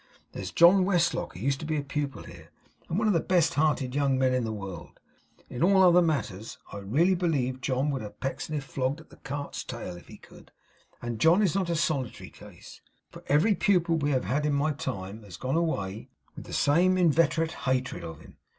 There's John Westlock, who used to be a pupil here, one of the best hearted young men in the world, in all other matters I really believe John would have Pecksniff flogged at the cart's tail if he could. And John is not a solitary case, for every pupil we have had in my time has gone away with the same inveterate hatred of him.